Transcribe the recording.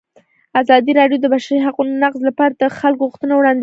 ازادي راډیو د د بشري حقونو نقض لپاره د خلکو غوښتنې وړاندې کړي.